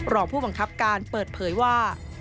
รองผู้บังคับการเปิดเผยว่า